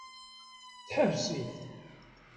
Teḥbes-it.